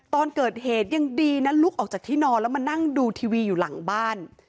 ตอนเกิดเหตุยังดีนะลุกออกจากที่นอนแล้วมานั่งดูทีวีอยู่หลังบ้าน